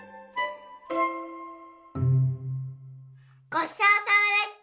ごちそうさまでした！